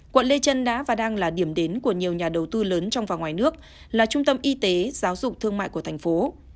quận lê trân đã và đang là điểm đến của nhiều nhà đầu tư lớn trong và ngoài nước là trung tâm y tế giáo dục thương mại của thành phố